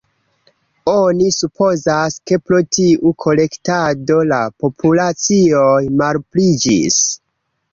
Oni supozas, ke pro tiu kolektado la populacioj malpliiĝis.